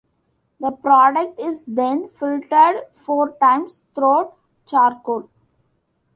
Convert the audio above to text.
The product is then filtered four times through charcoal.